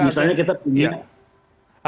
misalnya kita punya